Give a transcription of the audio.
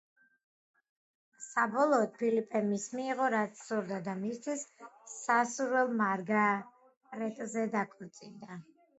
საბოლოოდ ფილიპემ ის მიიღო რაც სურდა და მისთვის სასურველ მარგარეტზე დაქორწინდა.